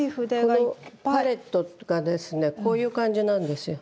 このパレットがですねこういう感じなんですよ。